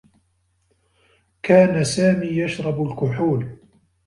كان سامي يشرب الكحول.